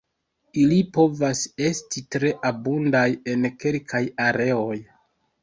Ili povas esti tre abundaj en kelkaj areoj.